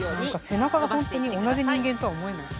背中がほんとに同じ人間とは思えない。